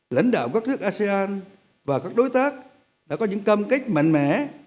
lãnh đạo các nước asean và các đối tác đã có những cam kết mạnh mẽ